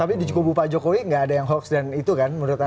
tapi di kubu pak jokowi nggak ada yang hoax dan itu kan menurut anda